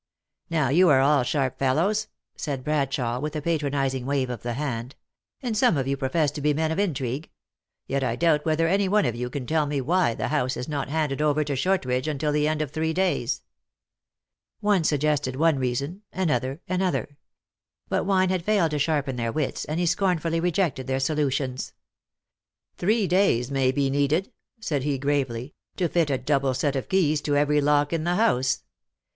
Now, you are all sharp fellows," said Bradshawe, with a patronizing wave of the hand ; "and some of you profess to be men of intrigue ; yet I doubt whether any one of you can tell me why the house is not handed over to Shortridge until at the end of three days." One suggested one reason ; another, another. But THE ACTRESS IN HIGH LIFE. 75 wine had failed to sharpen their wits, and he scorn fully rejected their solutions. " Three days may be needed," said he, gravely, " to fit a double set of keys to every lock in the house.